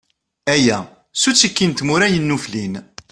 Aya, s uttiki n tmura yennuflin.